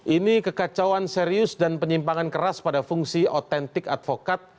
ini kekacauan serius dan penyimpangan keras pada fungsi otentik advokat